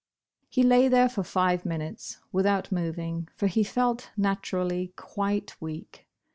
He lay there for five minutes, without moving, for he felt, naturally, quite weak.